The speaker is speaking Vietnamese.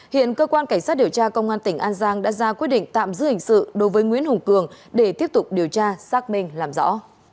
hiện cơ quan cảnh sát điều tra công an tỉnh an giang đã ra quyết định tạm giữ hình sự đối với nguyễn hùng cường để tiếp tục điều tra xác minh làm rõ